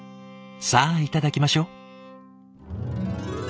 さあいただきましょう！